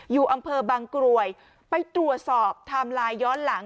อยู่อำเภอบางกรวยไปตรวจสอบไทม์ไลน์ย้อนหลัง